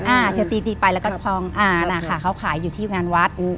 เธอตีตีไปแล้วก็จะพองอ่านะคะเขาขายอยู่ที่งานวัด